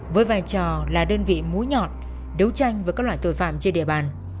với vai trò là đơn vị mũi nhọt đấu tranh với các loại tội phạm trên địa bàn